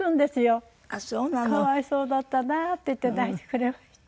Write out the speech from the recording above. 「可哀想だったなあ」って言って泣いてくれました。